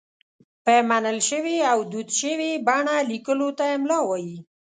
په منل شوې او دود شوې بڼه لیکلو ته املاء وايي.